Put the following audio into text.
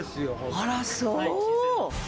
あらそう。